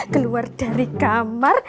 keluar dari kamar